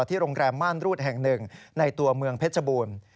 โรงแรมม่านรูดแห่งหนึ่งในตัวเมืองเพชรบูรณ์